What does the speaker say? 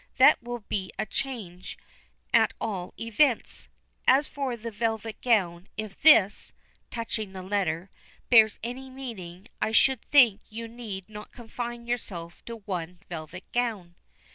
That will be a change, at all events. As for the velvet gown, if this," touching the letter, "bears any meaning, I should think you need not confine yourself to one velvet gown."